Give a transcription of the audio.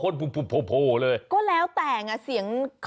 ดูซินี่